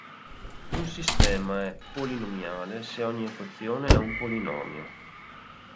Un sistema è "polinomiale" se ogni equazione è un polinomio.